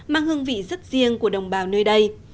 mang hương vị rất riêng của đồng bào nơi đây